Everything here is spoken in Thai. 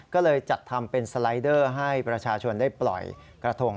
ก็เลยจัดทำเป็นสไลเดอร์ให้ประชาชนได้ปล่อยกระทง